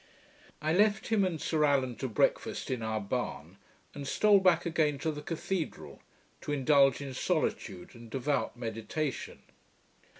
I left him and Sir Allan to breakfast in our barn, and stole back again to the cathedral, to indulge in solitude and devout meditation.